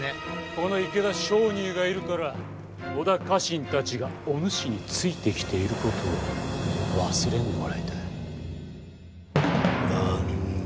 この池田勝入がいるから織田家臣たちがお主についてきていることを忘れんでもらいたい。